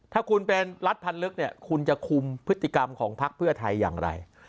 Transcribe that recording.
ถ้าคุณเป็นรัฐพันธ์ลึกเนี่ยคุณจะคุมพฤติกรรมของพักเพื่อไทยอย่างไร